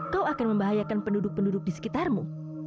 kau akan membahayakan penduduk penduduk di sekitarmu